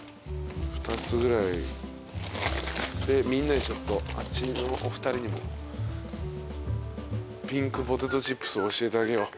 ２つぐらいでみんなにちょっとあっちのお二人にもピンクポテトチップスを教えてあげよう。